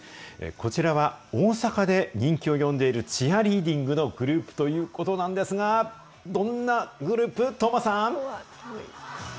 こちらは大阪で人気を呼んでいるチアリーディングのグループということなんですが、どんなグループ？